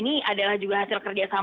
motif yang berada di luar sana